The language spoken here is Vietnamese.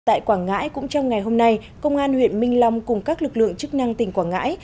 tại quảng ngãi cũng trong ngày hôm nay công an huyện minh long cùng các lực lượng chức năng tỉnh quảng ngãi